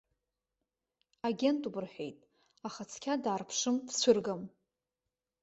Агентуп рҳәеит, аха цқьа даарԥшым, дцәыргам.